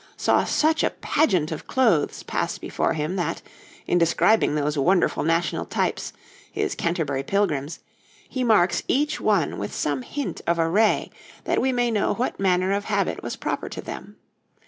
saw such a pageant of clothes pass before him that, in describing those wonderful national types, his Canterbury Pilgrims, he marks each one with some hint of array that we may know what manner of habit was proper to them.